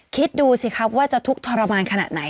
คิดดูสิครับว่าจะทุกข์ทรมานขนาดไหน